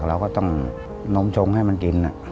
เราก็ต้องนมชงให้มันกิน